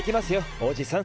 おじさん。